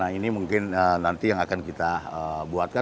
ini mungkin nanti yang akan kita buatkan